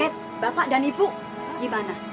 eh bapak dan ibu gimana